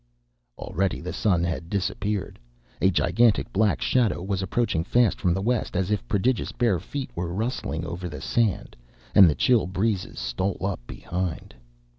Already the sun had disappeared. A gigantic black shadow was approaching fast from the west, as if prodigious bare feet were rustling over the sand. And the chill breezes stole up behind.